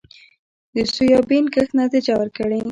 د سویابین کښت نتیجه ورکړې